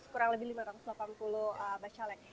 kurang lebih lima ratus delapan puluh bacalek